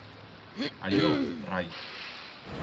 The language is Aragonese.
A yo, rai.